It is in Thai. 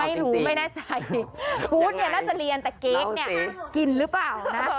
ไม่รู้ไม่แน่ใจกู๊ดเนี่ยน่าจะเรียนแต่เก๊กเนี่ยกินหรือเปล่านะ